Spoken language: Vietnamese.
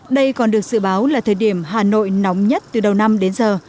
đây còn được dự báo là thời điểm hà nội nóng nhất từ đầu năm đến giờ